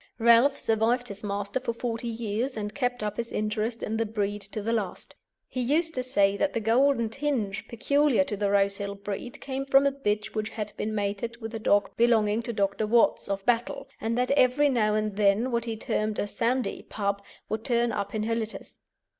Relf survived his master for forty years, and kept up his interest in the breed to the last. He used to say that the golden tinge peculiar to the Rosehill breed came from a bitch which had been mated with a dog belonging to Dr. Watts, of Battle, and that every now and then what he termed a "sandy" pup would turn up in her litters.